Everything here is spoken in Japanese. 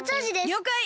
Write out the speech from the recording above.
りょうかい！